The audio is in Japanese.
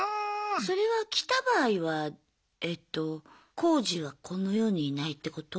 それは来た場合はえっとコウジはこの世にいないってこと？